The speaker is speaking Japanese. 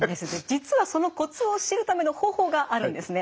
実はそのコツを知るための方法があるんですね。